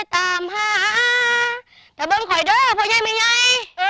แต่ผมขอเด้อพ่อไย้ไม่ไย้